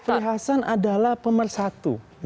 pak hasan adalah pemersatu